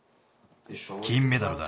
金メダルだ。